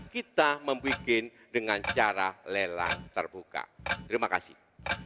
kita membuat dengan cara lelang terbuka terima kasih